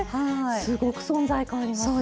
すごく存在感ありますよね。